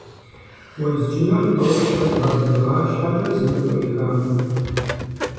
Уэзджынэр тӀэу-щэ дгъэдзыргъа щхьэкӀэ зыми къыӀуихакъым.